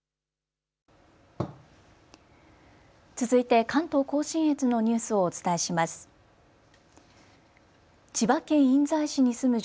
続いて関東甲信越のニュースをお伝えします。